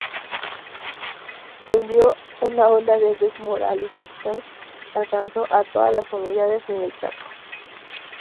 Cundió una ola de desmoralización que alcanzó a todas las unidades en el Chaco.